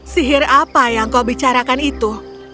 sihir apa yang kau bicarakan itu